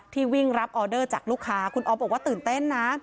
วิ่งรับออเดอร์จากลูกค้าคุณอ๊อฟบอกว่าตื่นเต้นนะ